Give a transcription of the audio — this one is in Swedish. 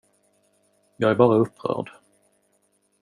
Jag är bara upprörd.